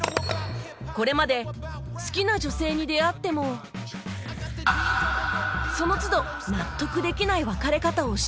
これまで好きな女性に出会ってもその都度納得できない別れ方をしているという